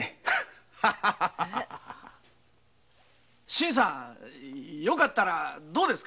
新さんよかったらどうです？